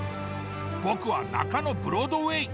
僕は、中野ブロードウェイ。